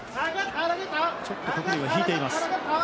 ちょっと鶴竜が引いています。